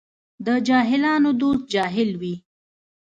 د جاهلانو دوست جاهل وي.